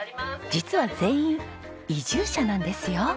実は全員移住者なんですよ。